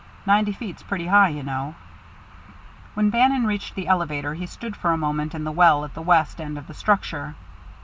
Ninety feet's pretty high, you know." When Bannon reached the elevator he stood for a moment in the well at the west end of the structure.